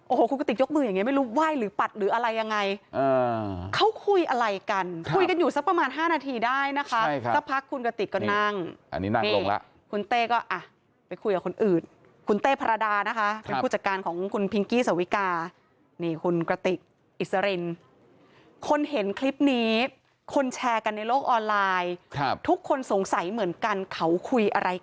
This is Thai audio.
โอ้โหคุณกติกยกมืออย่างนี้ไม่รู้ไหว้หรือปัดหรืออะไรยังไงเขาคุยอะไรกันคุยกันอยู่สักประมาณ๕นาทีได้นะคะสักพักคุณกติกก็นั่งอันนี้นั่งลงแล้วคุณเต้ก็อ่ะไปคุยกับคนอื่นคุณเต้พระรดานะคะเป็นผู้จัดการของคุณพิงกี้สวิกานี่คุณกระติกอิสรินคนเห็นคลิปนี้คนแชร์กันในโลกออนไลน์ครับทุกคนสงสัยเหมือนกันเขาคุยอะไร